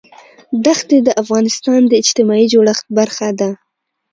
دښتې د افغانستان د اجتماعي جوړښت برخه ده.